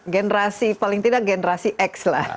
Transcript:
generasi paling tidak generasi x lah